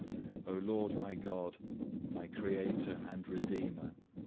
O Lord my God, my Creator and Redeemer!